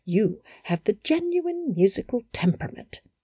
You have the genuine musical temperament.